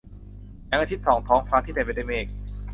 แสงอาทิตย์ส่องท้องฟ้าที่เต็มไปด้วยเมฆ